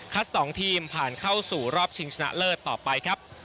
๒ทีมผ่านเข้าสู่รอบชิงชนะเลิศต่อไปครับ